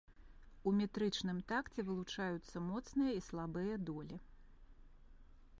У метрычным такце вылучаюцца моцныя і слабыя долі.